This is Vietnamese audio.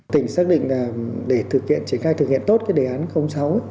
tỉnh xác định là để triển khai thực hiện tốt cái đề án sáu